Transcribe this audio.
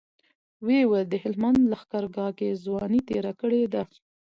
ويې ويل د هلمند لښکرګاه کې ځواني تېره کړې ده.